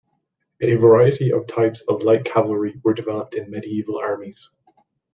A variety of types of light cavalry were developed in medieval armies.